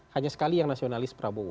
hanya sekali yang nasionalis prabowo